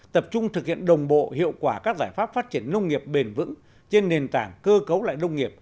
tập trung thực hiện đồng bộ hiệu quả các giải pháp phát triển nông nghiệp bền vững trên nền tảng cơ cấu lại nông nghiệp